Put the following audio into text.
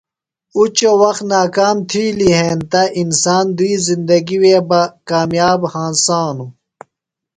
اُچوۡ وخت ناکام تِھیلیۡ ہینتہ انسان دُوئی زندگیۡ وے بہ کامیاب ہنسانوۡ۔